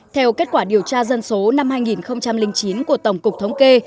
theo kết quả điều tra dân số năm hai nghìn chín của tổng cục thống kê